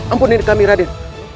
ampuni kami raden